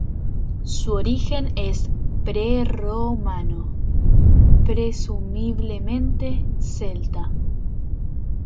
Su origen es prerromano, presumiblemente celta.